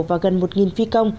và gần một phi công